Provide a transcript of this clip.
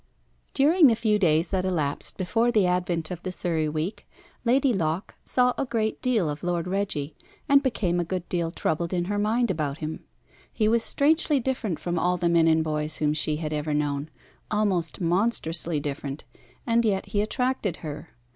During the few days that elapsed before the advent of the Surrey week, Lady Locke saw a great deal of Lord Reggie, and became a good deal troubled in her mind about him. He was strangely different from all the men and boys whom she had ever known, almost monstrously different, and yet he attracted her.